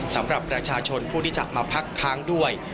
สำหรับประชาชนผู้ที่จะมาพักค้างด้วย